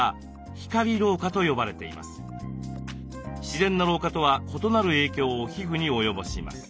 自然な老化とは異なる影響を皮膚に及ぼします。